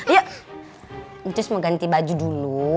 yuk mutus mau ganti baju dulu